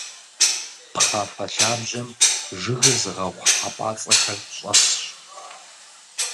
Пхъафэ лъабжьэм жыгыр зыгъэгъу хьэпӀацӀэхэр щӀэсщ.